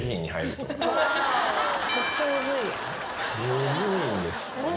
むずいんですかね。